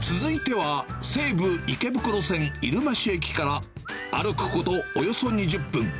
続いては西武池袋線入間市駅から歩くことおよそ２０分。